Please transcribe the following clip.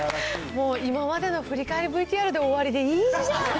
もう今までの振り返りＶＴＲで終わりでいいじゃん。